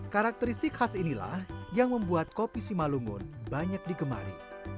karakteristik khas inilah yang membuat kopi simalungun banyak digemari